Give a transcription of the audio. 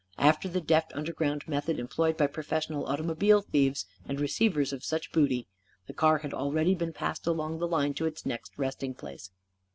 After the deft underground method employed by professional automobile thieves and receivers of such booty, the car had already been passed along the line to its next resting place.